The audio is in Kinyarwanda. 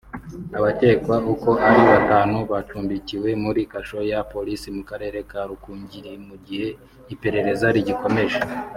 Abakekwa uko ari batanu bacumbikiwe muri kasho ya polisi mu karere ka Rukungiri mu gihe iperereza rigikomeje